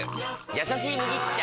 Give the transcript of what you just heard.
「やさしい麦茶」！